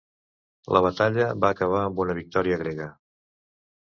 La batalla va acabar amb una victòria grega.